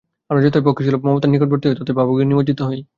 আমরা যতই পক্ষিসুলভ মমতার নিকটবর্তী হই, ততই ভাবাবেগে নিমজ্জিত হই।